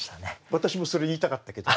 私もそれ言いたかったけど。